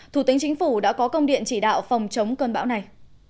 thủ tướng chính phủ đã có công điện chỉ đạo phòng chống cơn bão này